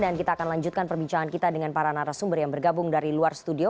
dan kita akan lanjutkan perbincangan kita dengan para narasumber yang bergabung dari luar studio